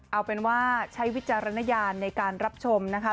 เอาเป็นว่าใช้วิจารณญาณในการรับชมนะคะ